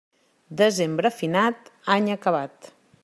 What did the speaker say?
Desembre finat, any acabat.